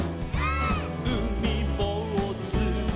「うみぼうず」「」